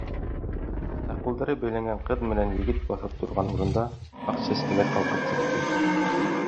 Ә ҡулдары бәйләнгән ҡыҙ менән егет баҫып торған урында аҡ сәскәләр ҡалҡып сыҡты.